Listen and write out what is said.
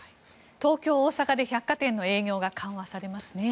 東京、大阪で百貨店の営業が緩和されますね。